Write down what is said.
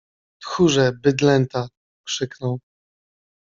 Tchórze! Bydlęta! - krzyknął.